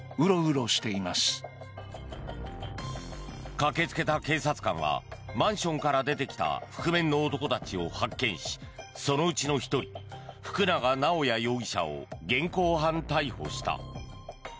駆けつけた警察官がマンションから出てきた覆面の男たちを発見しそのうちの１人福永直也容疑者を現行犯逮捕した。